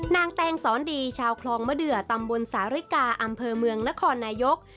แตงสอนดีชาวคลองมะเดือตำบลสาริกาอำเภอเมืองนครนายก